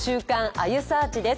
あゆサーチ」です。